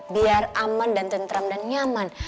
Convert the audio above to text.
biar aman dan tentram dan nyaman